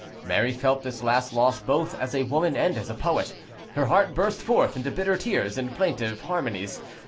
Mary felt this last loss both as woman and as poet; her heart burst forth into bitter tears and plaintive harmonies.